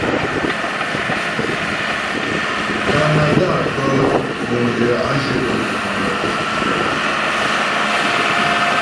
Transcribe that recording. Kanada bə́ guŋ yə a zhyə dəŋ monəŋ lə́.